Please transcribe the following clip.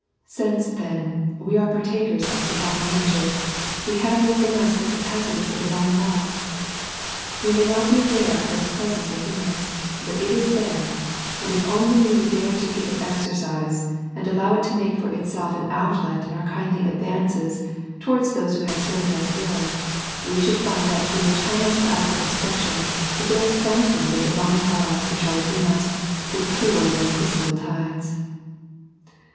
Since, then, we are partakers of the Divine nature, we have within us the capacity for Divine Love. "We may not be aware of its presence within us, but it is there, and if only we would dare to give it exercise, and allow it to make for itself an outlet in our kindly advances towards those who have served us ill, we should find that through the chanDek of outward expression the very fountains of Divine Love which are within us would pour their crystal tides.